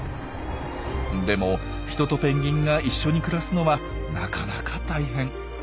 でも人とペンギンが一緒に暮らすのはなかなか大変。